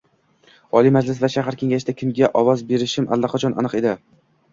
Oliy Majlis va shahar kengashida kimga ovoz berishim allaqachon aniq edi